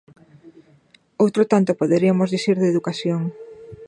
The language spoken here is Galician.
Outro tanto poderiamos dicir de educación.